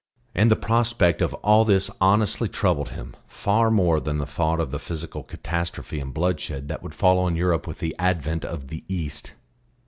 And the prospect of all this honestly troubled him, far more than the thought of the physical catastrophe and bloodshed that would fall on Europe with the advent of the East.